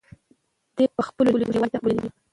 دی په خپلو لیکنو کې موږ یووالي ته بولي.